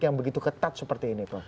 yang begitu ketat seperti ini pak